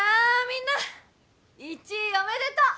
みんな１位おめでとう！